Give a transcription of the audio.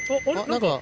何か。